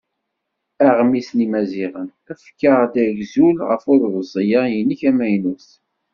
Aɣmis n Yimaziɣen: "Efk-aɣ-d agzul ɣef uḍebsi-a-inek amaynut.